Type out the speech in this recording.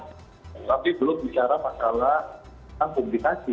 tapi belum bicara masalah tentang publikasi